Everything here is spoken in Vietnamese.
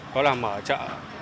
đó là mở chợ